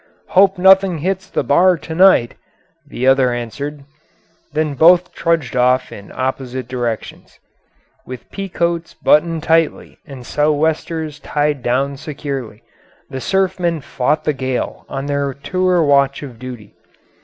"Hope nothing hits the bar to night," the other answered. Then both trudged off in opposite directions. With pea coats buttoned tightly and sou'westers tied down securely, the surfmen fought the gale on their watch tour of duty.